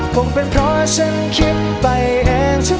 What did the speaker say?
คงเป็นเพราะฉันคิดไปเองทุกนั้น